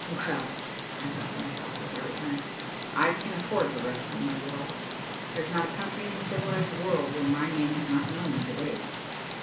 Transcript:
"Well," I thought to myself, as I returned, "I can afford to rest on my laurels. There's not a country in the civilized world where my name is not known to day."